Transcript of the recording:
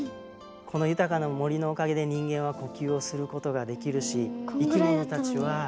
この豊かな森のおかげで人間は呼吸をすることができるし生き物たちは生きていくことがこんぐらいだったのに。